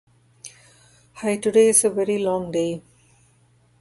In this test, a number of cards are presented to the participants.